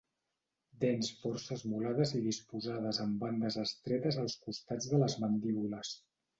Dents força esmolades i disposades en bandes estretes als costats de les mandíbules.